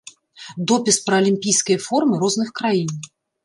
Допіс пра алімпійскія формы розных краін.